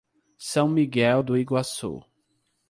São Miguel do Iguaçu